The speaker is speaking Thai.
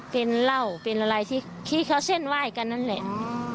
เป็นเหล้าเป็นอะไรที่เขาเส้นไหว้กันนั่นแหละ